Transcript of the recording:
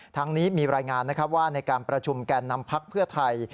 ทั้งนี้มีรายงานนะครับว่าในการประชุมแก่นำพักเพื่อไทย